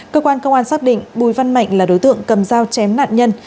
cơ quan công an xác định bùi văn mạnh là đối tượng cầm dao chém nạn nhân